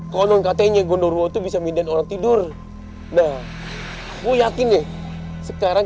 kondong katanya gunung itu bisa minta orang tidur nah gue yakin nih sekarang